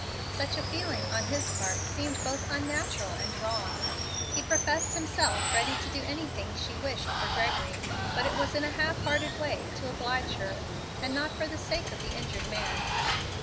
Such a feeling on his part seemed both unnatural and wrong. He professed himself ready to do anything she wished for Gregory, but it was in a half hearted way, to oblige her, and not for the sake of the injured man.